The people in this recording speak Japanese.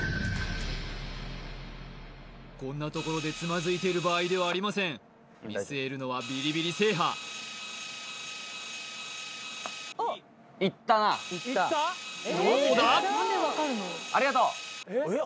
こんなところでつまずいている場合ではありません見据えるのはビリビリ制覇どうだ？